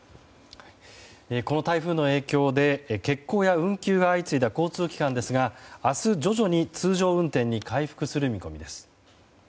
この台風の影響で欠航や運休が相次いだ交通機関は明日、徐々に通常運転に回復する見込みです。